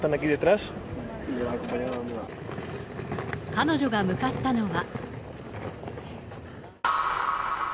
彼女が向かったのは。